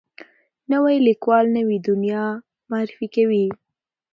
نوی لیکوال نوې دنیا معرفي کوي